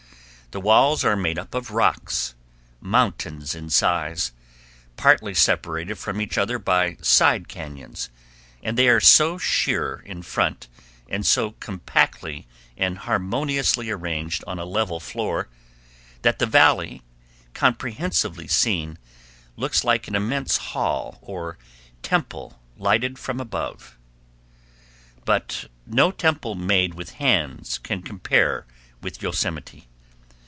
The walls are made up of rocks, mountains in size, partly separated from each other by side cañons, and they are so sheer in front, and so compactly and harmoniously arranged on a level floor, that the Valley, comprehensively seen, looks like an immense hall or temple lighted from above. But no temple made with hands can compare with Yosemite.